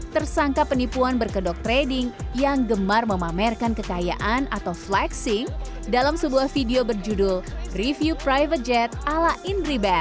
tersangka penipuan berkedok trading yang gemar memamerkan kekayaan atau flexing dalam sebuah video berjudul review private jet ala indri bern